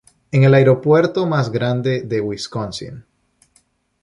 Es el aeropuerto más grande de Wisconsin.